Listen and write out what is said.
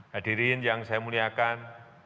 hadirin yang saya muliakan